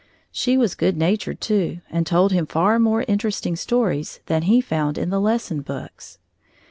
She was good natured too and told him far more interesting stories than he found in the lesson books.